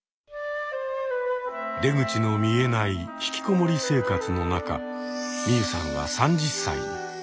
出口の見えない引きこもり生活の中ミユさんは３０歳に。